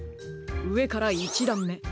うえから１だんめあおい